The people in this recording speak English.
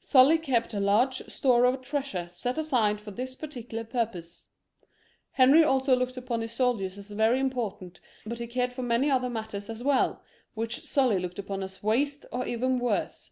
Sully kept a large store of treasure set aside for this particular purpose. Henry also looked upon his soldiers as very important, but he cared for many other matters as well, which Sully looked upon as waste or even worse.